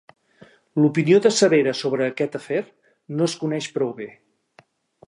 L'opinió de Severa sobre aquest afer no es coneix prou bé.